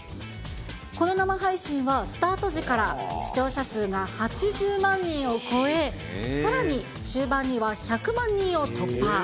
この生配信は、スタート時から視聴者数が８０万人を超え、さらに終盤には１００万人を突破。